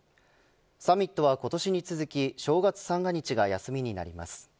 サミットは今年に続き正月３が日が休みになります。